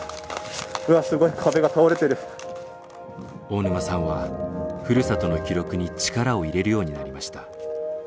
大沼さんはふるさとの記録に力を入れるようになりました。